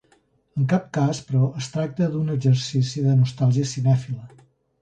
En cap cas, però, es tracta d'un exercici de nostàlgia cinèfila.